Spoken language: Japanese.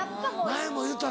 前も言うてたな。